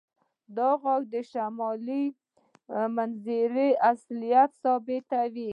دا غږ د شمالي منظرې اصلیت ثابتوي